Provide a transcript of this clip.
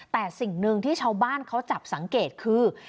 แต่สิ่งหนึ่งที่ชาวบ้านเขาจับสังเกตคือ